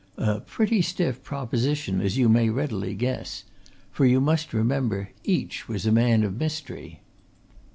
A pretty stiff proposition, as you may readily guess! For, you must remember, each was a man of mystery.